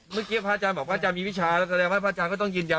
เมื่อกี้พระอาจารย์บอกว่าพระอาจารย์มีวิชาแล้วก็เรียกว่าพระอาจารย์ก็ต้องยืนยัน